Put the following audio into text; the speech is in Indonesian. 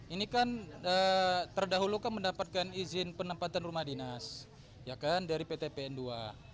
ini kan terdahulu kan mendapatkan izin penempatan rumah dinas ya kan dari pt pn ii